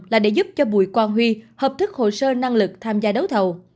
là để giúp cho bùi quang huy hợp thức hồ sơ năng lực tham gia đấu thầu